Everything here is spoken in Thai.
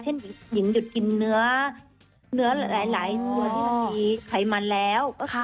เช่นหญิงหญิงหยุดกินเนื้อเนื้อหลายส่วนที่เมื่อกี้ไขมันแล้ว